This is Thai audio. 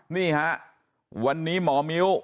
นี่ฮะวันนี้หมอมิ้ว